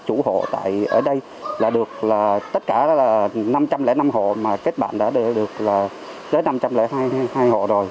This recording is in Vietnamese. chủ hộ ở đây là được tất cả năm trăm linh năm hộ mà kết bạn đã được tới năm trăm linh hai hộ rồi